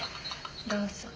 どうぞ。